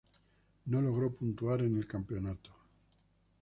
No logró puntuar en el campeonato.